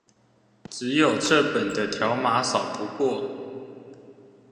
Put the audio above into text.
只有這本的條碼掃不過